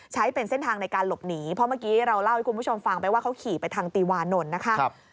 ใช้เป็นเส้นทางในการหลบหนีเพราะเมื่อกี้เราเล่าให้คุณผู้ชมฟังไปว่าเขาขี่ไปทางตีวานนท์นะคะ